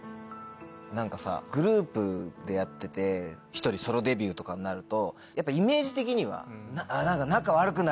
何かさグループでやってて１人ソロデビューとかになるとやっぱイメージ的には。